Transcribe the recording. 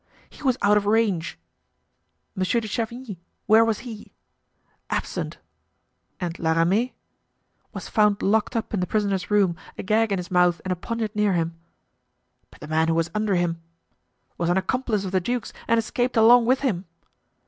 "He was out of range." "Monsieur de Chavigny—where was he?" "Absent." "And La Ramee?" "Was found locked up in the prisoner's room, a gag in his mouth and a poniard near him." "But the man who was under him?" "Was an accomplice of the duke's and escaped along with him."